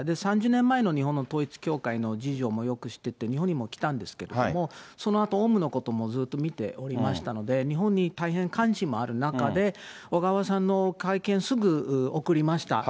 ３０年前の日本の統一教会の事情もよく知っていて、日本にも来たんですけども、そのあと、オウムのことも見ていましたので、日本に大変関心もある中で、小川さんの会見、すぐ送りました。